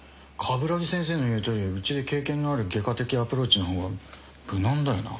鏑木先生の言うとおりうちで経験のある外科的アプローチの方が無難だよな？